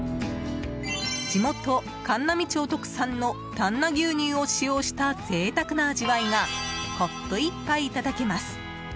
地元・函南町特産の丹那牛乳を使用した贅沢な味わいがコップ１杯いただけます。